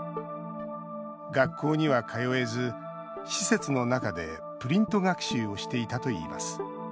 学校には通えず、施設の中でプリント学習をしていたといいます。